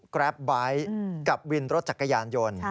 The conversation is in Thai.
กล๊าปบายต์กับวินรถจักรยานยนต์